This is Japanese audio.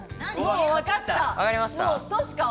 わかった。